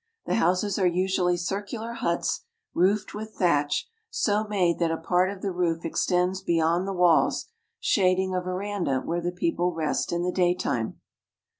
The houses are usually circular huts, roofed with thatch, so made that a part of the roof extends febeyond the walls, shading a veranda where the people rest HlB the daytime.